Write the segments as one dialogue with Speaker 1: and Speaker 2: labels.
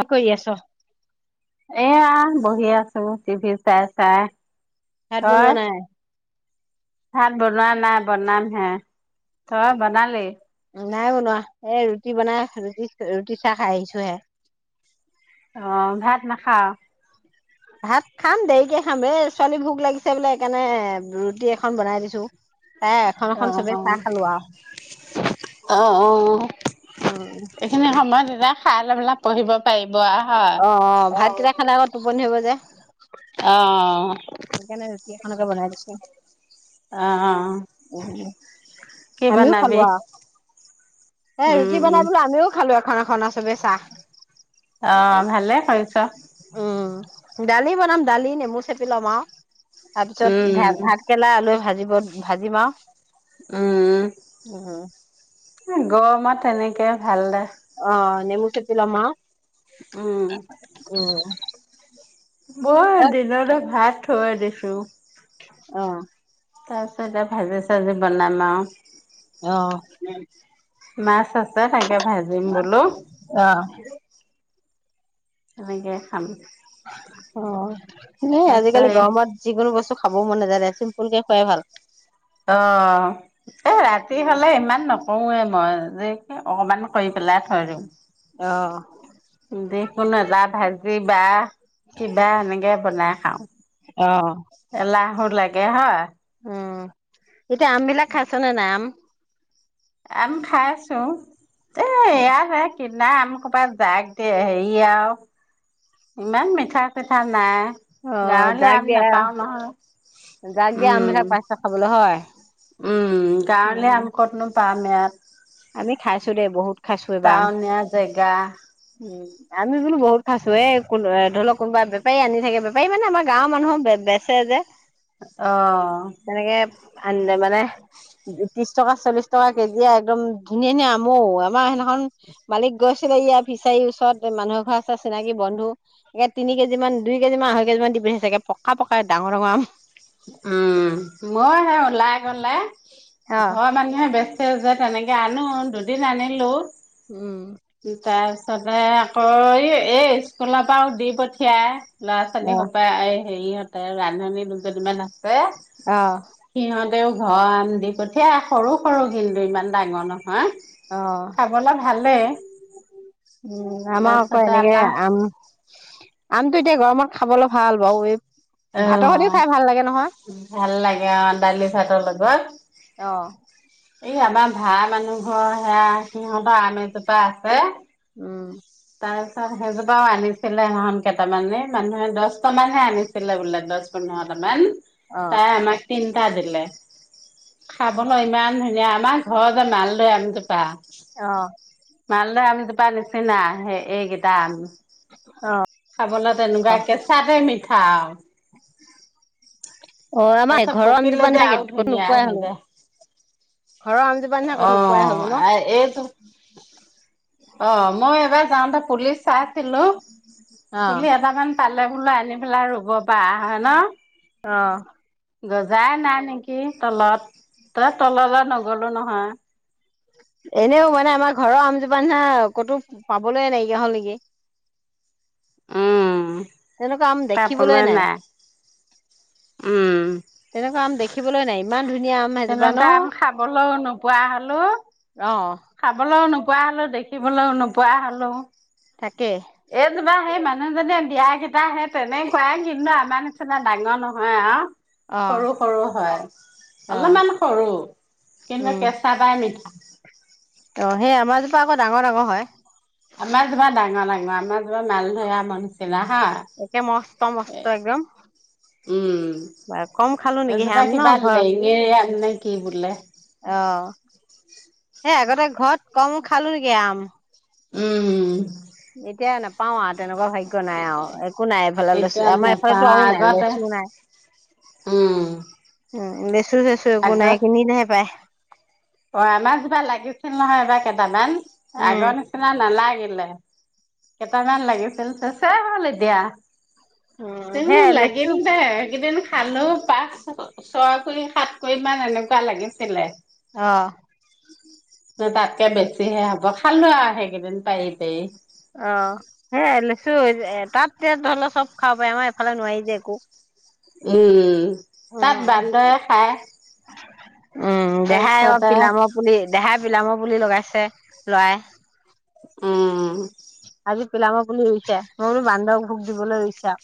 Speaker 1: আহ কৰি আছ।
Speaker 2: এইয়া বহি আছো টিভি চাই- চাই
Speaker 1: ভাত
Speaker 2: তই
Speaker 1: বনোৱা নাই?
Speaker 2: ভাত বনোৱা নাই বনাম হে। তই বনালি?
Speaker 1: নাই বনোৱা এই ৰুটি বনাই আছো ৰুটি ৰুটি চাহ খাই আহিছো হে
Speaker 2: অ ভাত নাখাও?
Speaker 1: ভাত খাম দেৰিকে খাম, এই ছোৱালী ভোক লাগিছে বোলে সেইকাৰণে ৰুটি এখন বনাই দিছো। তাই এখন
Speaker 2: অ,
Speaker 1: এখন চবে
Speaker 2: অ,
Speaker 1: চাহ খালো আও
Speaker 2: অ, অ
Speaker 1: উম
Speaker 2: এইখিনি সময় পোৰা খাই লৈ পেলাই পঢ়িব পাৰিম। বোৱা হয়
Speaker 1: অ
Speaker 2: অ
Speaker 1: ভাতকেইটা খালে আকৌ টোপনি ধৰিব যে
Speaker 2: অ
Speaker 1: এনেকে বনাই দিছো।
Speaker 2: অ অ কি
Speaker 1: আমিও খালো
Speaker 2: বনাবি
Speaker 1: আৰু এ ৰুটি
Speaker 2: উম উম
Speaker 1: বনাই পেলাই আমিও খালো আ খান খান চ [unintelligible] বে চাহ
Speaker 2: অ ভালে কৰিছ।
Speaker 1: উম দালি বনাম, দালি নেমু চেপি লম আৰু তাৰপিছত
Speaker 2: উম
Speaker 1: ভাত ভাতকেৰেলা আলুৱে ভাজিম লগত ভাজিম আৰু
Speaker 2: উম হয় গৰমত তেনেকে ভাল দে।
Speaker 1: অ নেমু চেপি লম আৰু
Speaker 2: উম
Speaker 1: উম [inaudible]
Speaker 2: মই
Speaker 1: অ',
Speaker 2: দিনতে ভাত থৈ দিছো।
Speaker 1: অ
Speaker 2: তাৰপাছত ভাজি চাজি বনাম আৰু
Speaker 1: অহ
Speaker 2: মাছ আছে ছাগে ভাজিম বোলো তেনেকে খাম,
Speaker 1: অ এ
Speaker 2: তাৰপিছত
Speaker 1: আজিকালি
Speaker 2: এই
Speaker 1: গৰমত যিকোনো বস্তু খাব মন নাযায় দেচোন
Speaker 2: অ এ ৰাতি হলে ইমান নকৰোৱে মই যে অকণমান কৰি পেলাই থয় দিওঁ।
Speaker 1: অ',
Speaker 2: যিকোনো এটা ভাজিবা কিবা এনেকে বনাই। [unintelligible] এলাহত লাগে হয়
Speaker 1: অ'। এতিয়া আম বিলাক খাইছনে নাই? আম?
Speaker 2: আম খাই আছোঁ। এ, এইয়া হে। কিনা আম ক'ৰবাত জাগ দিয়ে, হেৰি আৰু ইমান মিঠা চিঠা নাই।
Speaker 1: অ'
Speaker 2: গাঁৱলীয়া
Speaker 1: যাক
Speaker 2: আম
Speaker 1: দিয়া,
Speaker 2: নাপাও নহয়
Speaker 1: যাক দিয়া আম
Speaker 2: উম
Speaker 1: বিলাক পাইছ খাবলৈ হয়।
Speaker 2: উম গাঁৱলীয়া
Speaker 1: উম,
Speaker 2: আম ক'তনো পাম। [unintelligible]
Speaker 1: আমি খাইছোঁ দেই বহুত। খাইছো এইবাৰ আম।
Speaker 2: টাউনীয়া জেগা।
Speaker 1: উম, আমি বোলো বহুত খাইছোঁ এ ধৰি লক কোনোবা বেপাৰী আনি থাকে, বেপাৰী মানে আমাৰ গাঁৱৰ মানুহে বেচে যে।
Speaker 2: অ'হ।
Speaker 1: আনে মানে ত্ৰিশ টকা চল্লিশ টকা কেজিয়ে আৰু একদম ধুনীয়া ধুনীয়া আম ও, আমাৰ সেইদিনাখন মালিক গৈছিলে ইয়াৰ ফিচাৰীৰ ওচৰত মানুহৰ ঘৰ আছে চিনাকি বন্ধু, একে তিনি কেজি মান, দুই কেজি মান, আঢ়ৈ কেজি মান দি পঠিয়াইছে, একে পকা পকা ডাঙৰ ডাঙৰ আম।
Speaker 2: উম মই সেই ওলাই গ'লে ঘৰৰ মানুহে বেছি যে তেনেকে আনো, দুদিন আনিলোঁ। কি তাই? তা, তাই আকৌ, ‌ এই এই স্কুলৰ পৰাওঁ দি পঠিয়াই ল'ৰা ছোৱালী
Speaker 1: অ
Speaker 2: সোপায়ে আই সেৰিহঁতে ৰান্ধানী কেজনীমান আছে এ
Speaker 1: অ
Speaker 2: সিহঁত ঘৰৰ আম দি পঠিয়াই, সৰু সৰু কিন্তু ইমান ডাঙৰ নহয়।
Speaker 1: অ,
Speaker 2: খাবলৈ ভালেই
Speaker 1: উম‌, আমাৰ আকৌ
Speaker 2: তাৰপিছতে
Speaker 1: এনেকে
Speaker 2: আমাৰ
Speaker 1: আম আমটো এতিয়া গৰমত খাবলৈ ভাল বাৰু, এই
Speaker 2: অ
Speaker 1: ভাতৰ সৈতেও খাই ভাল লাগে নহয়
Speaker 2: ভাল লাগে, অ ডালি চাটৰ
Speaker 1: অ
Speaker 2: লগত। এই আমাৰ ভাড়া মানুহ ঘৰ সেয়া সিহঁতৰ আম এজোপা আছে।
Speaker 1: উম।
Speaker 2: তাৰপিছত সেইজোপাও আনিছিলে সেইদিনাখন কেইটামানে, মানুহে দহটামানহে আনিছিলে বোলে দহ পোন্ধৰটামান।
Speaker 1: অ
Speaker 2: তাই আমাতকৈ এটা দিলে, খাবলৈ ইমান ধুনীয়া, আমাৰ ঘৰ যে মালদৈ আমজোপা।
Speaker 1: অ
Speaker 2: মাল দে আম জোপা নিচিনা সে এইকেইটা আম খাবলৈ তেনেকুৱা কেঁচাতে মিঠা আৰু
Speaker 1: অঁ আমাৰ
Speaker 2: তাৰপিছত
Speaker 1: ঘৰৰ
Speaker 2: পকিলে
Speaker 1: আমজোপা
Speaker 2: যে
Speaker 1: নি থাকে
Speaker 2: আৰু
Speaker 1: কতো নোপোৱা হলেো
Speaker 2: অঁ এইটো পুলিচাক হেল্ল
Speaker 1: অ
Speaker 2: পুলি এটামান কাইলে বুলা আনি পেলাই ৰুব পা অহা ন
Speaker 1: অঁ
Speaker 2: গজাই নাই নেকি তলত তললৈ নগলো নহয়
Speaker 1: এনেও মানে আমাৰ ঘৰৰ আমজোপা নিচিনা ক'তো পাবলৈ নাইকিয়া হ'ল নেকি
Speaker 2: উম
Speaker 1: তেনেকুৱা আম দেখিবলৈ নাই
Speaker 2: উম
Speaker 1: তেনেকুৱা আম দেখিবলৈ নাই ইমান ধুনীয়া আম সেইজোপা ন
Speaker 2: তেনেকুৱা আম খাবলৈওঁ নোপোৱা হলো
Speaker 1: অ
Speaker 2: খাবলৈওঁ নোপোৱা পোৱা হলো দেখিবলৈও নোপোৱা হলো
Speaker 1: তাকে
Speaker 2: কিবা সেই মানুহজননে দিয়া কেইটা সে তেনেকুৱাই কিন্তু আমাৰ নিচিনা ডাঙৰ নহয় আৰু
Speaker 1: অ
Speaker 2: সৰু সৰু হয়
Speaker 1: অ
Speaker 2: অলপমান সৰু কিন্তু কেঁচা তাই মিঠা হয়
Speaker 1: অঁ সেই আমাৰজোপা আকৌ ডাঙৰ ডাঙৰ হয়
Speaker 2: আমাৰ তোমাৰ ডাঙৰ আমাৰ তোমাৰ মালধয়া মনছিলা
Speaker 1: একে মস্ত
Speaker 2: হাঁ
Speaker 1: মস্ত একদম বা কম খালো
Speaker 2: উম
Speaker 1: নেকি সেই আম
Speaker 2: এজোপা
Speaker 1: ন
Speaker 2: কিবা
Speaker 1: ঘৰত
Speaker 2: লেঙেৰি আম নে কি বোলে
Speaker 1: অ সেই আগতে ঘৰত কম খালো নেকি আম
Speaker 2: উম
Speaker 1: এতিয়া নাপওঁ পাঁও তেনেকুৱা হয় নাই আৰু একো নাই এইফালে
Speaker 2: এতিয়া
Speaker 1: লৈছো আমাৰ এইফালো
Speaker 2: নেপাওঁ
Speaker 1: আৰুও নাই
Speaker 2: আগতে
Speaker 1: লৈছুও নাই
Speaker 2: উম
Speaker 1: উম উম চো চেছো
Speaker 2: আগ
Speaker 1: একো নাই কিনিলেহে পায়
Speaker 2: অ মাছ বাা লাগিছিল নহয় এইবাৰ কেইটামান
Speaker 1: উম
Speaker 2: আগৰ নিচিনা নালাগে কেইটামান লাগিছিল চাগে হ'ল এতিয়া
Speaker 1: উম
Speaker 2: তো
Speaker 1: সেয়াই লেচু
Speaker 2: লাগিল দে ইকেইদিন খালো পাছ ছয় কুৰি সাত কুৰি মান এনেকুৱা লাগিছিলে
Speaker 1: অহ
Speaker 2: ন তাতকে বেছিহে হ'ব খালো আৰু সেইকেইদিন পাৰি পাৰি
Speaker 1: অ সেইয়াই লেচু তাত যে ধৰিল চব খাব পাৰি আমাৰ এফালে নোৱাৰি যে একো।
Speaker 2: উম তাত
Speaker 1: উম।
Speaker 2: বান্দৰে খাই।
Speaker 1: উম দেহাই অ পিলামৰ পুলি দেহাত বিলামৰ পুলি লগাইছে লআই।
Speaker 2: উমম
Speaker 1: আজি পিলামৰ পুলি ৰুইছে সৰু বান্ধক ভোক দিবলৈ ৰুইছে। আৰু।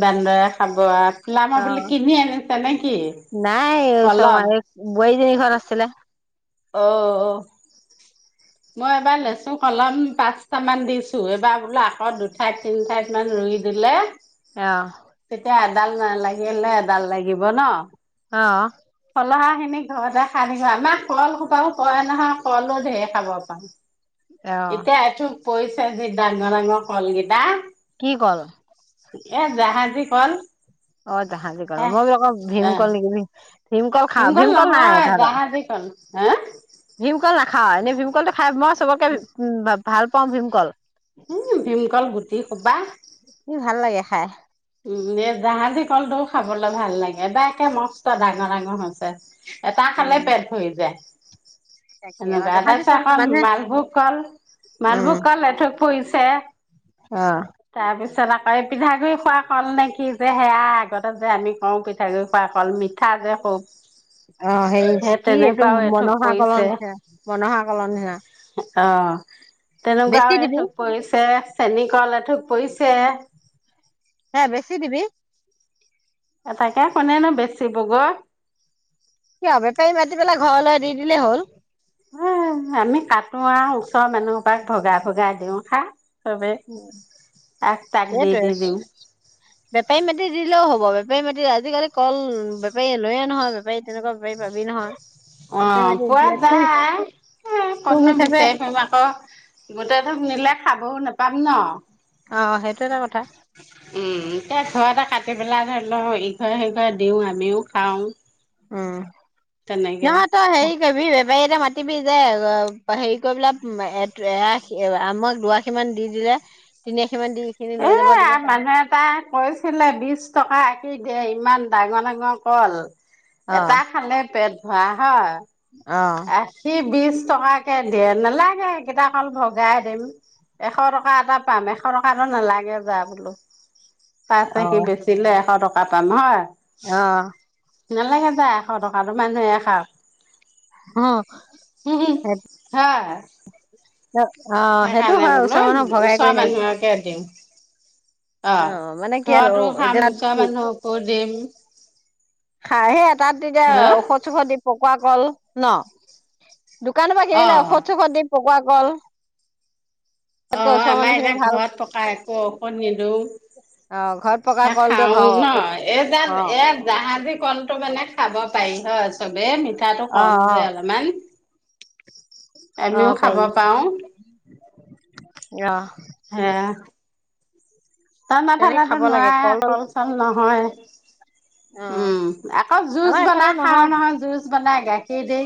Speaker 2: বান্দৰে খাব আ পলামৰ পুলি
Speaker 1: অ'।
Speaker 2: কিনি আনিছে নেকি পলম
Speaker 1: তিনি ঘৰ আছিলে।
Speaker 2: অ অ মই এবাৰ লেচু কলম পাঁচটা মান দিছো এইবাৰ বোলো আকৌ দুঠাইত তিনি ঠাইত মান ৰুই দিলে
Speaker 1: আহ
Speaker 2: ডাল নালাগিলে ডাল লাগিব ন।
Speaker 1: আহ
Speaker 2: লহাখিনি ঘৰতে খাই থাকিব আমাহ কল সোপাও কৰে নহয় কলো ঢেৰ খাব পা।
Speaker 1: অ'।
Speaker 2: এতিয়া এথোক পৰিছে। ডাঙৰ-ডাঙৰ কলগেইটা
Speaker 1: কি কল?
Speaker 2: এ জাহাজী কল।
Speaker 1: অ জাহাজী কল
Speaker 2: হে
Speaker 1: মই বুলো অক ভীম
Speaker 2: অ,
Speaker 1: কল নেকি বুলি ভীমকল খা ভীমকল নাই তহঁত
Speaker 2: হেএ
Speaker 1: ভিম কল লা খা এনে ভীমকলটো খাই মস চবকে - ভী- উম বাব ভাল পাওঁ ভীমকল
Speaker 2: উম ভীমকল গুটি খোবা
Speaker 1: হয়
Speaker 2: এই জাহাজী কলটোও খাবলৈ ভাল লাগে এবাকে মস্ত ডাঙৰ ডাঙৰ হৈছে। এটা খালে
Speaker 1: উম।
Speaker 2: পেট ভৰি যায়।
Speaker 1: তাকে অ
Speaker 2: এনেকুৱা
Speaker 1: জাহাজী
Speaker 2: তাৰপিছত
Speaker 1: কল
Speaker 2: ক
Speaker 1: মানে
Speaker 2: মালভোগ কল
Speaker 1: উম
Speaker 2: মালভোগ কল এথ পৰিছে। তে
Speaker 1: অ
Speaker 2: [unintelligible] পিঠাগুৰি খুৱাক কল নে কি যে সেয়া আগতে যে আমি কওঁ পিঠাগুডৰি খোৱা কল মিঠা যে খুব।
Speaker 1: অ সেই কি এইটো
Speaker 2: তেনেকুৱাও এথোক
Speaker 1: মনসা কলন
Speaker 2: পৰিছে
Speaker 1: সে মনসা কলন নিচিনা
Speaker 2: অ তেনেকুৱাও
Speaker 1: বেছি
Speaker 2: এথ
Speaker 1: দিবি
Speaker 2: পৰিছে। চেনী কল এঠোপ পৰিছে।
Speaker 1: হে বেছি দিবি।
Speaker 2: তাকে কোনে নো বেচিবগৈ
Speaker 1: কি বেপাৰী মাতি পেলাই ঘৰলৈ দি দিলেই হ'ল।
Speaker 2: এ আমি কটো আৰু ওচৰৰ মানুহৰ পৰাাক ভগাই ভগাই দিও খা। চবে
Speaker 1: উ
Speaker 2: আগ তাক দি
Speaker 1: সেইটে
Speaker 2: দি দিওঁ
Speaker 1: বেপাৰী মাতি দিলেও হ'ব বেপাৰী মাতি আজিকালি কল বেপাৰী লৈয়ে নহয় বেপাৰী তেনেকুৱা বেপাৰী পাবি নহয়।
Speaker 2: অ
Speaker 1: বেপাৰী মাতি
Speaker 2: পুৱোৱা
Speaker 1: দিলে থোক
Speaker 2: যায়
Speaker 1: থোক
Speaker 2: কণো
Speaker 1: হিচাপে
Speaker 2: বিচম আকৌ গোটেই ধোক নিলে খাবও নাপায়। পাম ন
Speaker 1: অ সেইটো এটা কথা
Speaker 2: উম এয়া ঘৰ এটা কাটি বেলা ধৰি লওক ইঘৰ সিঘৰ দিওঁ আমিও খাওঁ
Speaker 1: উম
Speaker 2: তেনেকে
Speaker 1: নহয় তই হেৰি কৰিববি বেপাৰী এটা মাতি পতিবি যে হেৰি কৰি পেলা এশ আমক দুআশি মান দি দিলে তিনি আশীমান দি এইখিনি
Speaker 2: এ
Speaker 1: লৈ যাব দিব পাৰ
Speaker 2: মানুহ এটা কৈছিলে বিশ টকা দে ইমান ডাঙৰ ডাঙৰ কল
Speaker 1: অ
Speaker 2: এটা খালে পেট হ হ
Speaker 1: অ
Speaker 2: আশী বিশছ টকাকে দে নালাগে কেইটা অল ভগাই দিম এশ টকা এটা পাম এশ টকাটো নালাগে যোৱা বোলো। পাই ন সি বেচিলে এশ টকা তাৰ পা মই
Speaker 1: আহ
Speaker 2: নালাগে যায় এশ টকাতো মানুহ এশ
Speaker 1: অ
Speaker 2: উম উম
Speaker 1: সেইটো
Speaker 2: হা
Speaker 1: অ সেইটো হয় ওচৰ মানুহ ভগাই
Speaker 2: ওচৰৰ
Speaker 1: কৰি নাইকা
Speaker 2: মানুহকে দিম অ ঘৰতো খাম
Speaker 1: এতিয়া তাত
Speaker 2: ওচৰৰ মানুহকো দিম।
Speaker 1: খায়ে সেত তাত' তেতিয়া
Speaker 2: হা
Speaker 1: ঔষধ-চোষধ দিব। খোৱা ক'ল ন? দোকানৰ পৰা
Speaker 2: অ
Speaker 1: কিনিলে ঔষধ-সৌষধ [unintelligible] গ'ল।
Speaker 2: অ' আমাৰ এতিয়া ঘৰত পকা একো ঔষধ নিদিওঁ।
Speaker 1: অ ঘৰত পকা কল দিয়ে ঘৰ অ
Speaker 2: [unintelligible] এ
Speaker 1: অ
Speaker 2: জাহাজী কল মানে খাব পাৰি হয়। চবে, তাতো কম
Speaker 1: অ
Speaker 2: যে অলমান। [inaudible]
Speaker 1: অ
Speaker 2: আমিও খাব পাওঁ।
Speaker 1: অ'হ।
Speaker 2: আহ।
Speaker 1: তেনেকে
Speaker 2: ঠাণ্ডা-ঠাণ্ডাতে
Speaker 1: খাব লাগে
Speaker 2: নোৱাৱে কল চল নহয়,
Speaker 1: অ
Speaker 2: উম, আকৌ জুচ
Speaker 1: আমাৰ এইফালে
Speaker 2: বনাই খাওঁ নহয়, জুচ বনাই গাখীৰ দি।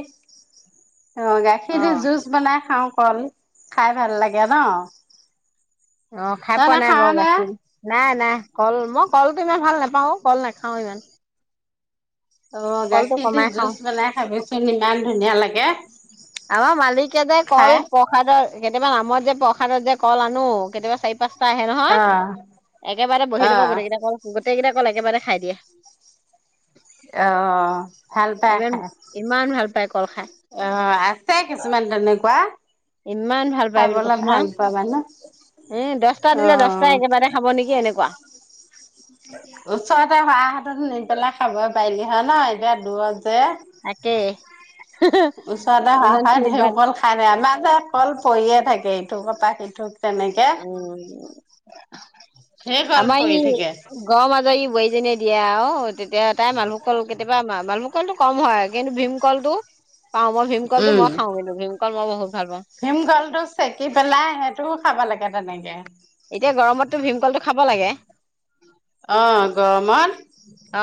Speaker 2: অ' গাখীৰ দি জুচ বনাই খাওঁ কল। খাই ভাল লাগে ন।
Speaker 1: অ খাই
Speaker 2: তই
Speaker 1: পোৱা নাই
Speaker 2: নাখাৱ
Speaker 1: বাও
Speaker 2: নে
Speaker 1: গাখীৰ নাই নাই কল মই কলটো ইমান ভাল নেপাও আঔ কল নাখাও ইমান
Speaker 2: অ
Speaker 1: কলটো
Speaker 2: গাখীৰ দি
Speaker 1: কমাই খাওঁ
Speaker 2: জুচ বনাই খাবিচোন ইমান। ধুনীয়া লাগ
Speaker 1: আমাৰ মালিকে যে কল
Speaker 2: খাই
Speaker 1: প্ৰসাদৰ। কেতিয়াবা নামত যে প্ৰসাদত যে কল আনো কেতিয়াবা চাৰি পাঁচ। টা আহে নহয়
Speaker 2: অ
Speaker 1: একেবাতে
Speaker 2: অ
Speaker 1: বহি লব গোটেই কেইটা কল গোটেই কেইটা কল একেবাৰতে খাই দিয়ে
Speaker 2: অহ ভাল পায়
Speaker 1: ইমান
Speaker 2: খাই
Speaker 1: ইমান ভাল পায় কল খাই
Speaker 2: অ আছে কিছুমান তেনেকুৱা
Speaker 1: ইমান ভাল পাই বুলি
Speaker 2: খাবলৈ
Speaker 1: কৈছো ন
Speaker 2: ভাল পোৱা মানুহ
Speaker 1: উম দছটা দিলে দছটা
Speaker 2: অ'
Speaker 1: একেবাতে খাব নেকি এনেকুৱা
Speaker 2: ওচৰতে হোৱা হেতেন নি পেলাই খাব পাৰিলি হয় ন এতিয়া দূৰত
Speaker 1: তাকেই
Speaker 2: [unintelligible] ওচৰতে
Speaker 1: ইমান
Speaker 2: হাহাই হয়
Speaker 1: খিনি
Speaker 2: ধেই
Speaker 1: বাট
Speaker 2: কল খালে আমাক। পিছে কল পৰিয়ে থাকে ইথোক পৰা সিথোক।
Speaker 1: উম
Speaker 2: ঢেৰ
Speaker 1: [unintelligible]
Speaker 2: কল
Speaker 1: আমাৰ
Speaker 2: পৰি
Speaker 1: ই
Speaker 2: থাকে
Speaker 1: গ মাজই বোৱাইজেনীয়ে। দিয়া অ তেতিয়া। তাই মালভোগ কল, কেতিয়াবা মালভুল। কলটো কম হয় কিন্তু ভীমকলটো। পাও মই ভীমকলটো মই খাও কিন্তু ভীম। [unintelligible]
Speaker 2: ভীম কলটো চেকি পেলাই, সেইটোও খাবা লাগে। সে তেনেকে।
Speaker 1: এতিয়া গৰমতটো ভীমকলটো খাব লাগে।
Speaker 2: অ গৰমত।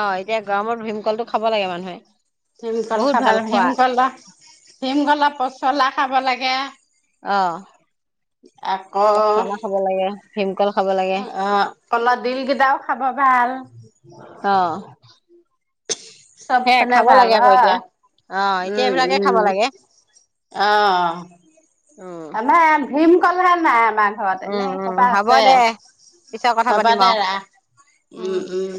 Speaker 1: অ এতিয়া গৰমত ভীমকলটো খাব লাগে মানুহে।
Speaker 2: ভীমকল
Speaker 1: বহুত
Speaker 2: খাব
Speaker 1: ভাল
Speaker 2: ল
Speaker 1: খোৱা
Speaker 2: ভিমকলৰ, ভিমকলৰ পচলা। খাব লাগে।
Speaker 1: অহ।
Speaker 2: আকৌ,
Speaker 1: ভীম।
Speaker 2: অ কলৰ ডিল কেইটাও খাব ভাল।
Speaker 1: অ।
Speaker 2: সব
Speaker 1: সেয়াই
Speaker 2: পিনে
Speaker 1: খাব
Speaker 2: ভাল
Speaker 1: লাগে
Speaker 2: হ,
Speaker 1: আকৌ এতিয়া অ এতিয়া
Speaker 2: উম
Speaker 1: এইবিলাকে খাব
Speaker 2: উম
Speaker 1: লাগে
Speaker 2: অ
Speaker 1: উম
Speaker 2: আমাৰ এয়াত ভীম। কল হে নাই। আমাৰ ঘৰত
Speaker 1: উম
Speaker 2: এনেই
Speaker 1: উম
Speaker 2: কবা
Speaker 1: হ'ব
Speaker 2: আছে
Speaker 1: দে পিছত কথা
Speaker 2: হব
Speaker 1: পাতিম
Speaker 2: দে
Speaker 1: আৰু
Speaker 2: ৰাখ উম উম।